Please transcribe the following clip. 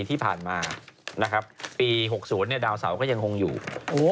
ที่ผ่านมานะครับปีหกศูนย์เนี่ยดาวเสาร์ก็ยังหงอยู่โอ้